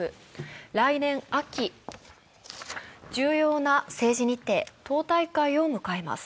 来年秋、重要な政治日程、党大会を迎えます。